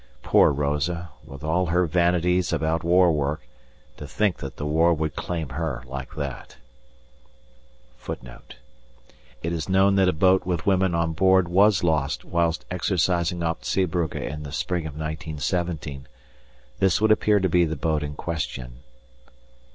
Poor Rosa, with all her vanities about war work, to think that the war would claim her like that! [Footnote 1: It is known that a boat with women on board was lost whilst exercising off Zeebrugge in the Spring of 1917. This would appear to be the boat in question.